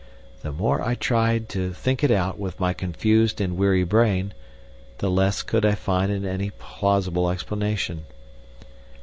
The more I tried to think it out with my confused and weary brain the less could I find any plausible explanation.